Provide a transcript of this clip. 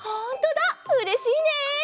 うれしいね！